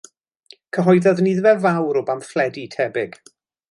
Cyhoeddodd nifer fawr o bamffledi tebyg.